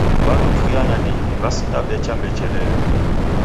Warujuya nandighi wasinda becha mbechelele.